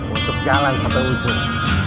untuk jalan sampai ujung